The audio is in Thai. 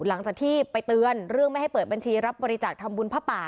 หลังจากที่ไปเตือนเรื่องไม่ให้เปิดบัญชีรับบริจาคทำบุญผ้าป่า